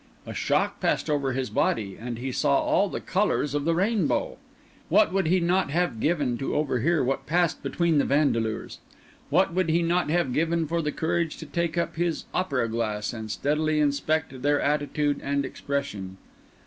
A shock passed over his body, and he saw all the colours of the rainbow. What would he not have given to overhear what passed between the Vandeleurs? What would he not have given for the courage to take up his opera glass and steadily inspect their attitude and expression?